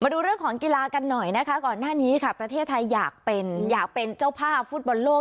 ดูเรื่องของกีฬากันหน่อยนะคะก่อนหน้านี้ค่ะประเทศไทยอยากเป็นอยากเป็นเจ้าภาพฟุตบอลโลก